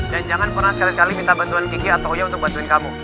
dan jangan pernah sekali sekali minta bantuan kiki atau oya untuk bantuin kamu